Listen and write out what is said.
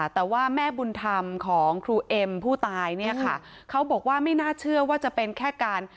แต่ว่าแม่บุญธรรมของครูเอ็มผู้ตายเนี่ยค่ะเขาบอกว่าไม่น่าเชื่อว่าจะเป็นแค่การ